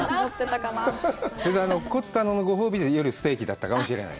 それで、ご褒美でステーキだったかもしれない。